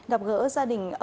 gặp gỡ gia đình nguyễn biểu